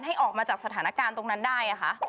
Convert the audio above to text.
ให้ออกมาจากสถานการณ์ตรงนั้นได้ค่ะ